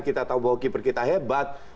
kita tahu bahwa keeper kita hebat